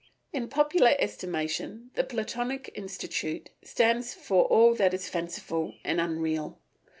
In popular estimation the Platonic Institute stands for all that is fanciful and unreal.